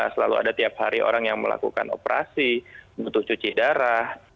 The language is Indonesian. selalu ada tiap hari orang yang melakukan operasi butuh cuci darah